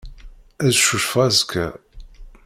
Ad cucfeɣ azekka.